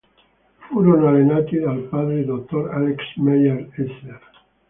Furono allenati dal padre Dr. Alex Mayer Sr.